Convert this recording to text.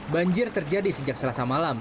banjir terjadi sejak selasa malam